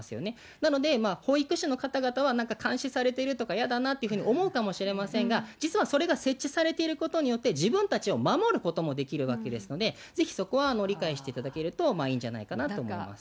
なので、保育士の方々はなんか監視されてるとか、やだなっていうふうに思うかもしれませんが、実はそれが設置されていることによって、自分たちを守ることもできるわけですので、ぜひそこは理解していただけるといいんじゃないかなと思います。